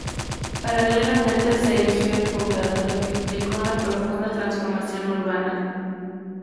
Paralelamente se erigió el Poblado, lo que implicó una profunda transformación urbana.